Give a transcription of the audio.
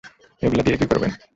এগুলো দিয়ে কী করবেন?